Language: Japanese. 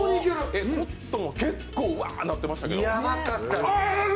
コットンも結構、ワーなってましたけど。